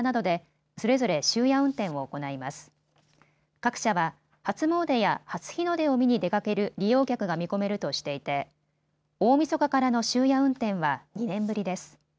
各社は初詣や初日の出を見に出かける利用客が見込めるとしていて大みそかからの終夜運転は２年ぶりです。